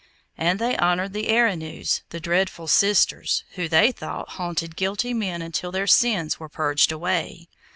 And they honoured the Erinnues, the dreadful sisters, who, they thought, haunted guilty men until their sins were purged away.